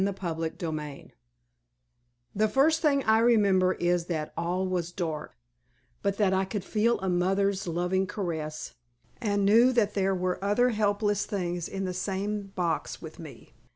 CHAPTER I The first thing I remember is that all was dark, but that I could feel a mother's loving caress and knew that there were other helpless things in the same box with me.